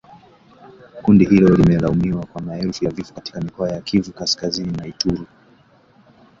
Kundi hilo limelaumiwa kwa maelfu ya vifo katika mikoa ya Kivu Kaskazini na Ituri